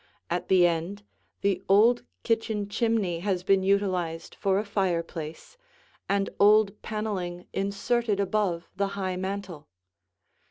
At the end, the old kitchen chimney has been utilized for a fireplace, and old paneling inserted above the high mantel.